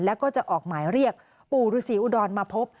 แล้วก็จะออกหมายเรียกปู่ฤษีอุดรมาพบ